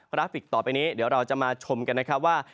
ราฟิกต่อไปนี้เดี๋ยวเราจะมาชมกันนะครับว่า